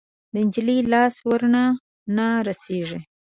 د نجلۍ لاس ورڼا نه رسیږي